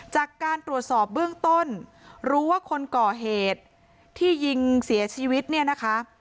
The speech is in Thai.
จากการตรวจสอบเบื้องต้นรู้ว่าคนก่อเหตุที่ยิงเสียชีวิตเนี่ยนะคะ